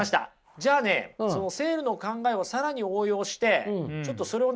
じゃあねセールの考えを更に応用してちょっとそれをね